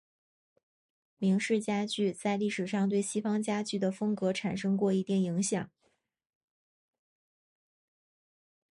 明式家具在历史上对西方家具的风格产生过一定影响。